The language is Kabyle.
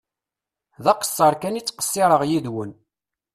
D aqesser kan i ttqessireɣ yid-wen.